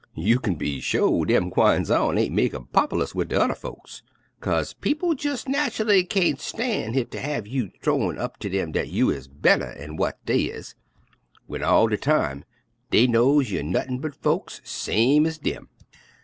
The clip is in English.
You kin be sho' dem gwines on ain' mek 'em pop'lous wid tu'rr folks, 'kase people jes' natchelly kain't stan' hit ter have you th'owin' up to 'em dat you is better'n w'at dey is, w'en all de time dey knows you're nuttin' but folks, same 'z dem.